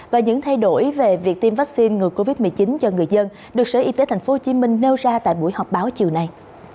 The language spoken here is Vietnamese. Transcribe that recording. và những thay đổi về việc tiêm vaccine ngừa covid một mươi chín cho người dân được sở y tế tp hcm nêu ra tại buổi họp báo chiều nay